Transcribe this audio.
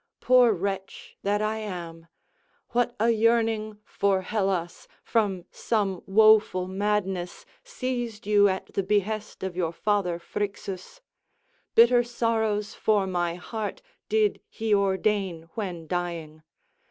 Poor wretch that I am! What a yearning for Hellas from some woeful madness seized you at the behest of your father Phrixus. Bitter sorrows for my heart did he ordain when dying.